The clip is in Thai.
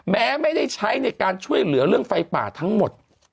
แม้ไม่ได้ใช้ในการช่วยเหลือเรื่องไฟป่าทั้งหมด